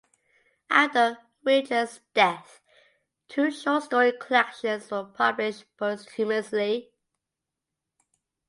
After Richter's death, two short story collections were published posthumously.